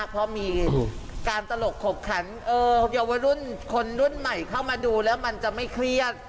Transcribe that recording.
เป็นคนรุ่นใหม่เข้ามาดูแล้วมันจะไม่เครียด